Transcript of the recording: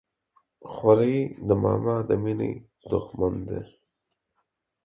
خوريي د ماما د ميني د ښمن دى.